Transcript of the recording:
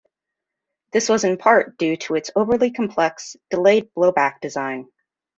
This was in part due to its overly complex delayed-blowback design.